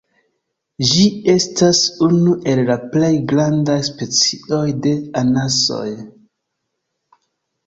Ĝi estas unu el la plej grandaj specioj de anasoj.